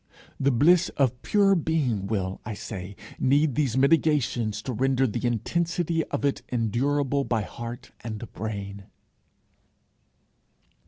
The bliss of pure being will, I say, need these mitigations to render the intensity of it endurable by heart and brain.